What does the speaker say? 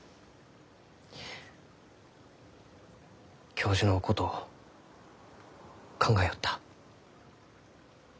教授のこと考えよった。